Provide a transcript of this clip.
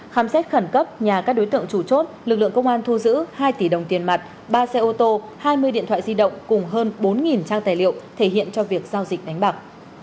khám xét khẩn cấp nhà các đối tượng chủ chốt lực lượng công an thu giữ hai tỷ đồng tiền mặt ba xe ô tô hai mươi điện thoại di động cùng hơn bốn trang tài liệu thể hiện cho việc giao dịch đánh bạc